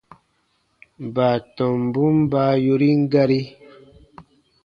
Baatɔmbun baa yorin gari.